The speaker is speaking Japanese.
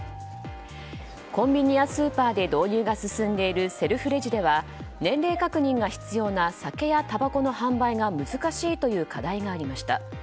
コンビニやスーパーで導入が進んでいるセルフレジでは年齢確認が必要な酒やたばこの販売が難しいという課題がありました。